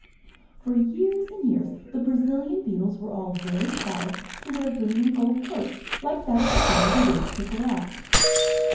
For years and years the Brazilian beetles were all very proud to wear green and gold coats like that of the beetle who raced with the rat.